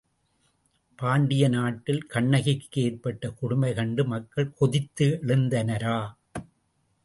பாண்டிய நாட்டில் கண்ணகிக்கு ஏற்பட்ட கொடுமை கண்டு மக்கள் கொதித்து எழுந்தனரா?